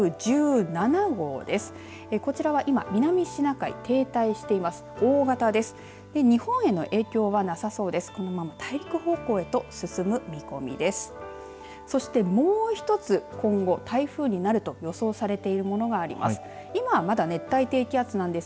このまま大陸方向へと進む見込みです。